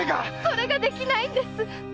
〔それができないんです〕